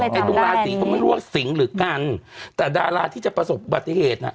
ไอ้ตรงราศีเขาไม่รู้ว่าสิงหรือกันแต่ดาราที่จะประสบบัติเหตุน่ะ